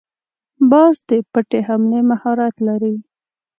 باز د پټې حملې مهارت لري